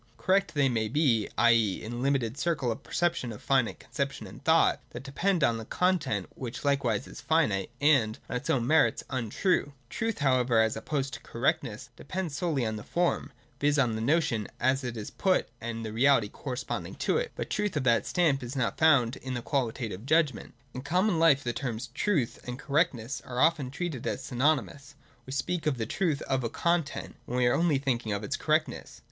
Correct they may be, i.e. in the limited circle of perception, of finite conception and thought : that depends on the content, which likewise is finite, and, on its own merits, untrue. Truth, however, as opposed to correctness, depends solely on the form, viz. on the notion as it is put and I72.J QUALITATIVE JUDGMENTS. 305 the reality corresponding to it. But truth of that stamp is not found in the QuaHtative judgment. In common life the terms truth and correctness are often treated as synonymous : we speak of the truth of a content, when we are only thinking of its correctness.